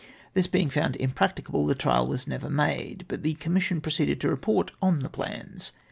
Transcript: This being found im practicable, the trial was never made, but the com mission proceeded to report on the plans.